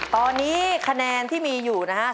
ตอนนี้คะแนนที่มีอยู่นะฮะ